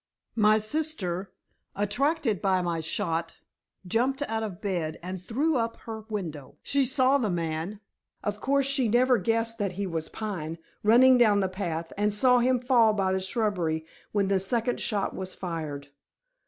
"My sister, attracted by my shot, jumped out of bed and threw up her window. She saw the man of course she never guessed that he was Pine running down the path and saw him fall by the shrubbery when the second shot was fired."